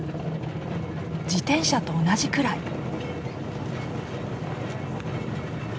自転車と同じくらい。